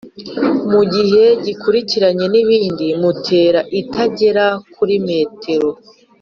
mugihe gikurikiranye n’ikindi muntera itagera kuri m